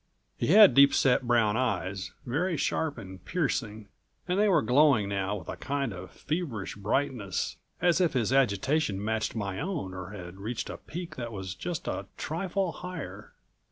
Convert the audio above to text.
He had deepset brown eyes, very sharp and piercing and they were glowing now with a kind of feverish brightness, as if his agitation matched my own or had reached a peak that was just a trifle higher.